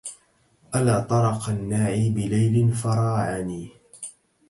ألا طرق الناعي بليل فراعني